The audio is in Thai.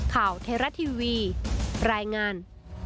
เทราะทีวีรายงาน